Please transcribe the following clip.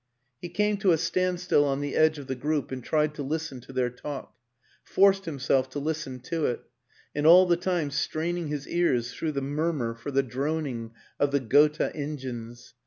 He came to a standstill on the edge of the group and tried to listen to their talk; forced himself to listen to it and all the time straining his ears through the murmur for the droning of the Gotha engines.